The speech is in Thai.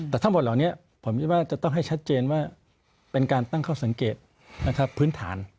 แต่ทั้งหมดเหล่านี้ผมคิดว่าจะต้องให้ชัดเจนว่าเป็นการตั้งข้อสังเกตพื้นฐาน